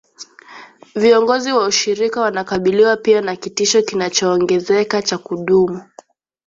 Viongozi wa ushirika wanakabiliwa pia na kitisho kinachoongezeka cha kudumu